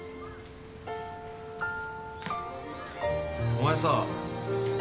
お前さ。